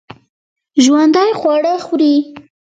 ژوندي خواړه خوري